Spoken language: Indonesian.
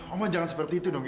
oh jangan seperti itu dong